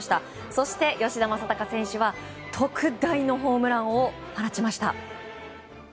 そして、吉田正尚選手は特大のホームランを放ちました。